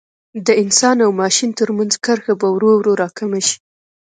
د انسان او ماشین ترمنځ کرښه به ورو ورو را کمه شي.